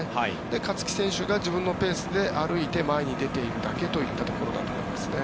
勝木選手が自分のペースで歩いて前に出ているだけといったところだと思いますね。